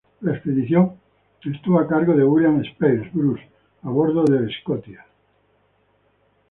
La expedición estuvo a cargo de William Speirs Bruce a bordo del "Scotia".